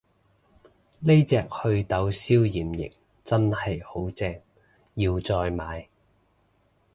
呢隻袪痘消炎液真係好正，要再買